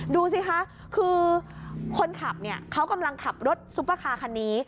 ดูสิคะคือคนขับเนี่ยเขากำลังขับรถซุปเปอร์คาร์คันนี้